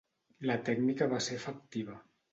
La tècnica va ser efectiva.